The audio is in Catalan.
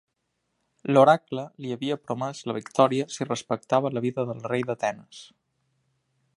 L'oracle li havia promès la victòria si respectava la vida del rei d'Atenes.